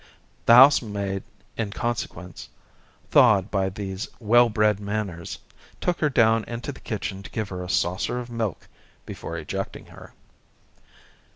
The housemaid in con* sequence, thawed by these well'bred manners, took her down into the kitchen to give her a saucer of milk before ejecting her.